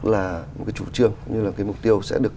là một chủ trương mục tiêu sẽ được